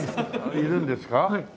いるんですか？